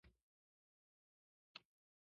楽しいことはすぐに過ぎる